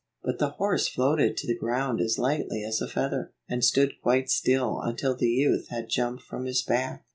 But the horse floated to the ground as lightly as a feather, and stood quite still until the youth had jumped from his back.